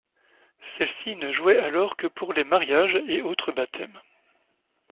Celle-ci ne jouait alors que pour les mariages et autres baptêmes.